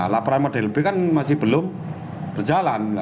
laporan model b kan masih belum berjalan